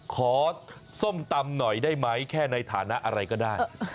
ส้มตำหน่อยได้ไหมแค่ในฐานะอะไรก็ได้